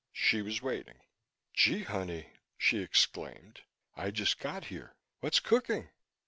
She was waiting. "Gee, honey," she exclaimed. "I just got here. What's cooking?"